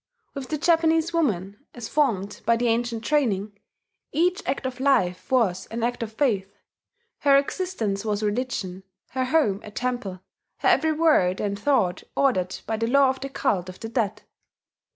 With the Japanese woman, as formed by the ancient training, each act of life was an act of faith: her existence was a religion, her home a temple, her every word and thought ordered by the law of the cult of the dead....